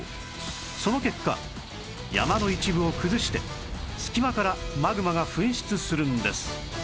その結果山の一部を崩して隙間からマグマが噴出するんです